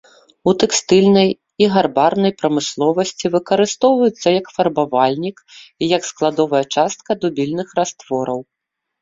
У тэкстыльнай і гарбарнай прамысловасці выкарыстоўваецца як фарбавальнік і як складовая частка дубільных раствораў.